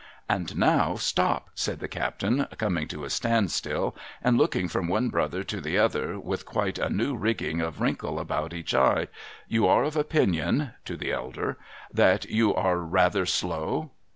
'And now stop!' said the captain, coming to a standstill, and looking from one brother to the other, with quite a new rigging of wrinkles about each eye ;' you are of opinion,' to the elder, ' that you are ra'ather slow